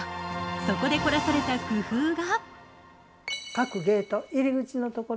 そこで、こらされた工夫が。